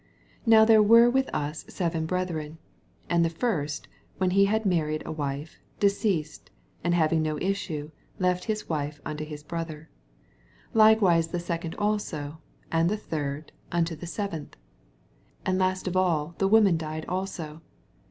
25 Now there were with us seven brethren : and the first, when he had .Harried a wife^ deceased, end, having no ii^sac. left his wife unto his brother : 26 Likewise the second also, and the third, unto the seventh. 27 And last of all the woman died also.